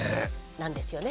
なんですよね？